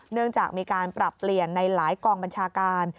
เนื่องจากมีการปรับเปลี่ยนในหลายกองบัญชาการ